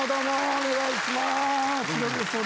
お願いします。